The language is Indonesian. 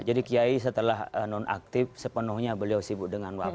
jadi kiai setelah nonaktif sepenuhnya beliau sibuk dengan nonaktif